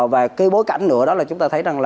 và cái bối cảnh nữa đó là chúng ta thấy